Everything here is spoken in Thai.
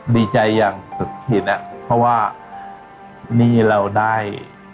ดีใจอย่างสุดขินอ่ะเพราะว่านี่เราได้